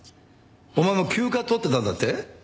お前も休暇取ってたんだって？